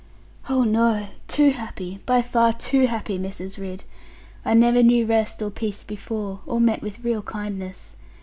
'Oh, no! Too happy, by far too happy, Mrs. Ridd. I never knew rest or peace before, or met with real kindness.